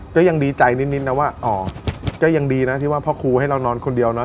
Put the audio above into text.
ก็ยังดีใจนิดนะว่าอ๋อก็ยังดีนะที่ว่าพ่อครูให้เรานอนคนเดียวเนอ